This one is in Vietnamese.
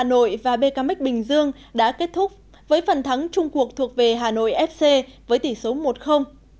hà nội và bkm bình dương đã kết thúc với phần thắng trung cuộc thuộc về hà nội fc với tỷ số một